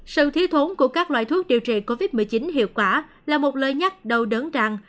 sự thiếu thốn của các loại thuốc điều trị covid một mươi chín hiệu quả là một lời nhắc đau đớn rằng